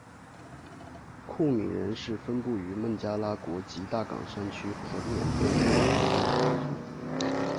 库米人是分布于孟加拉国吉大港山区和缅甸若开邦的民族。